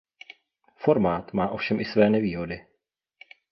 Formát má ovšem i své nevýhody.